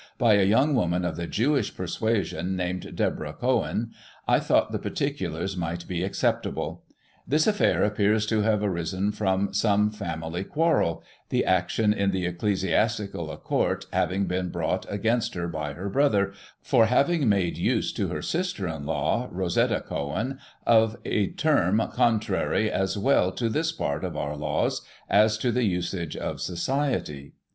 by a young woman of the Jewish persuasion, named Deborah Cohen, I thought the particulars might be acceptable. This affair appears to have arisen from some family quarrel, the action in the Ecclesiastical Court, having been brought against her by her brother, for having made use to her sister in law, Rosetta Cohen, of a term contrary as well to this part of our Digiti ized by Google 1839] PENANCE. 117 laws, as to the usages of society.